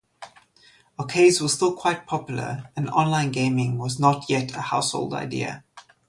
Arcades were still quite popular, and online gaming was not yet a household idea.